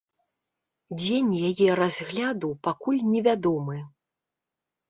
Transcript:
Дзень яе разгляду пакуль невядомы.